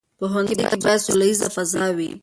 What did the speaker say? په ښوونځي کې باید سوله ییزه فضا وي.